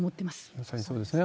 まさにそうですね。